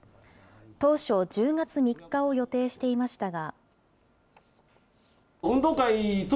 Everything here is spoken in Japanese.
当初、１０月３日を予定していましたが。